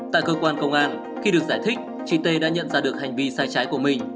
tại cơ quan công an khi được giải thích chị tê đã nhận ra được hành vi sai trái của mình